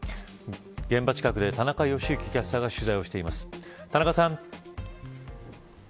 現場近くで田中良幸キャスターが取材をしています。